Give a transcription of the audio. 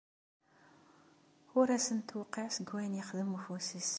Ur asen-d-tewqiɛ seg wayen ixdem ufus-is.